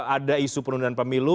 ada isu penundaan pemilu